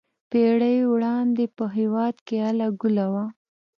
پېړۍ وړاندې په هېواد کې اله ګوله وه.